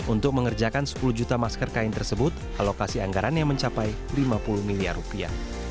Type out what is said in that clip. untuk mengerjakan sepuluh juta masker kain tersebut alokasi anggarannya mencapai lima puluh miliar rupiah